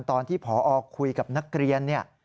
ตอนที่ผอคุยกับนักเรียนเนี่ย